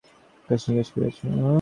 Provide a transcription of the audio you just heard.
কাজ নিকাশ করিয়াছ?